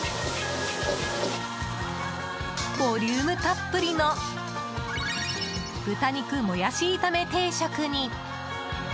ボリュームたっぷりの豚肉もやし炒め定食に。